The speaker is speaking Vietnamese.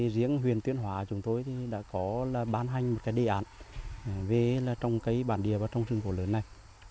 riêng huyền tuyên hóa chúng tôi đã có bán hành một đề ản về trồng cây bản địa và trồng rừng gỗ lớn này